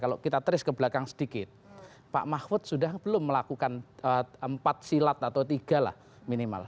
kalau kita teris ke belakang sedikit pak mahfud sudah belum melakukan empat silat atau tiga lah minimal